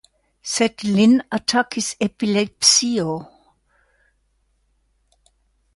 Sed lin atakis epilepsio!